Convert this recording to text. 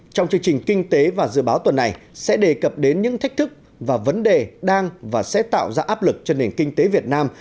trong chương trình kinh tế và dự báo tuần này sẽ đề cập đến những thách thức và vấn đề đang và sẽ tạo ra áp lực cho nền kinh tế việt nam